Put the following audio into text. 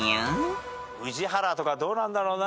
宇治原とかどうなんだろうな。